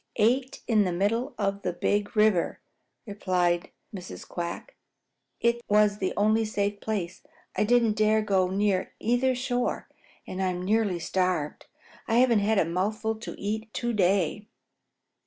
"Eight in the middle of the Big River," replied Mrs. Quack. "It was the only safe place. I didn't dare go near either shore, and I'm nearly starved. I haven't had a mouthful to eat to day."